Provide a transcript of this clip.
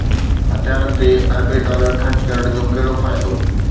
هٿيارن تي اربين ڊالر خرچ ڪرڻ جو ڪهڙو فائدو؟